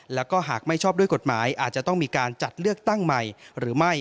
แล้วก็หากไม่ชอบด้วยกฎหมายอาจจะต้องมีการจัดเลือกตั้งใหม่หรือไม่